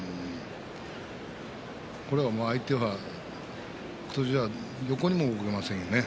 これは相手は横にも動けませんよね。